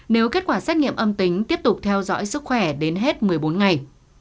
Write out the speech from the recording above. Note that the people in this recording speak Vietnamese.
nếu kết quả xét nghiệm âm tính tiếp tục theo dõi sức khỏe đến hết một mươi bốn ngày